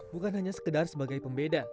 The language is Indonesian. bukan hanya sekedar sebagai pembeda